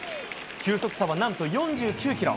球速差はなんと４９キロ。